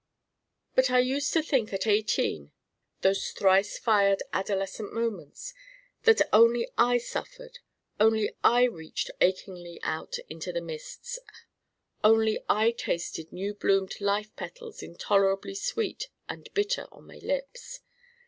But I used to think at eighteen those thrice fired adolescent moments that only I suffered, only I reached achingly out into the mists, only I tasted new bloomed life petals intolerably sweet and bitter on my lips.